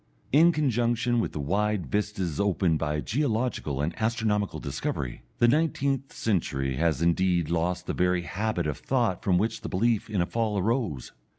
In conjunction with the wide vistas opened by geological and astronomical discovery, the nineteenth century has indeed lost the very habit of thought from which the belief in a Fall arose.